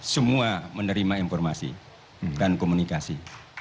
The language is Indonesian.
semua menerima informasi dan komunikasi